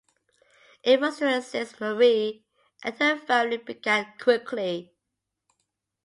Efforts to assist Marie and her family began quickly.